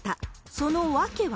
その訳は。